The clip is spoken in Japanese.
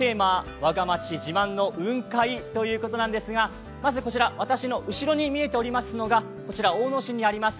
我が町、自慢の雲海ということなんですがまずこちら、私の後ろに見えておりますのが大野市にあります